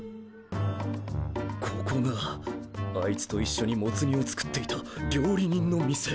ここがあいつといっしょにモツ煮を作っていた料理人の店。